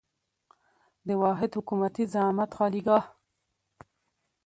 د واحد حکومتي زعامت خالیګاه.